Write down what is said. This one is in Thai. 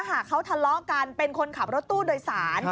เขาทะเลาะกันเป็นคนขับรถตู้โดยสาร